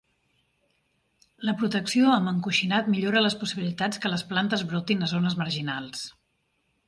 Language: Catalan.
La protecció amb encoixinat millora les possibilitats que les plantes brotin a zones marginals.